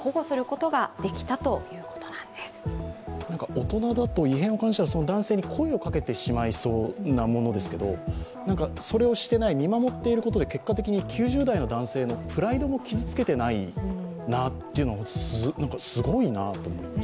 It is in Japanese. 大人だと異変を感じたらその男性に声をかけてしまいそうなものですけど、それをしてない、見守っていることで結果的に９０代の男性のプライドも傷つけてないなというのはすごいなと思います。